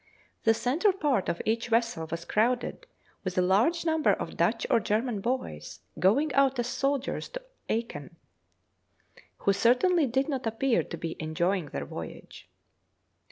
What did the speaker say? The centre part of each vessel was crowded with a large number of Dutch or German boys, going out as soldiers to Acheen, who certainly did not appear to be enjoying their voyage.